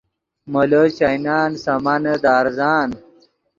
مولو چائینان سامانے دے ارزان